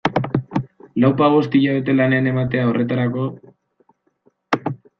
Lauzpabost hilabete lanean ematea horretarako...